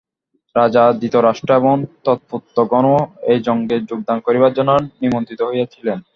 রাজা ধৃতরাষ্ট্র এবং তৎপুত্রগণও এই যজ্ঞে যোগদান করিবার জন্য নিমন্ত্রিত হইয়াছিলেন।